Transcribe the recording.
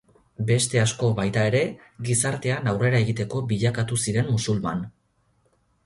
Beste asko, baita ere, gizartean aurrera egiteko bilakatu ziren musulman.